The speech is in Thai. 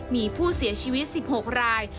มีผู้เสียชีวิต๑๖ราย